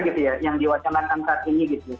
gitu ya yang diwacanakan saat ini gitu